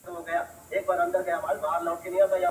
له هغه چي وو له موره زېږېدلی ..